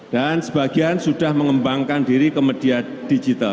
dan sebagian sudah mengembangkan diri ke media digital